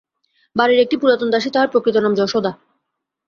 বাড়ির একটি পুরাতন দাসী, তাহার প্রকৃত নাম যশোদা।